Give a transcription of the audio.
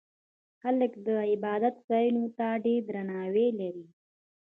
خلک د عبادت ځایونو ته ډېر درناوی لري.